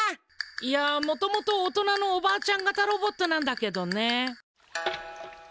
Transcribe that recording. いやもともと大人のおばあちゃんがたロボットなんだけどね。